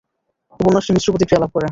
উপন্যাসটি মিশ্র প্রতিক্রিয়া লাভ করে।